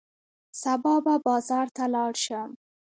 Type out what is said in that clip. سبا به بازار ته لاړ شم.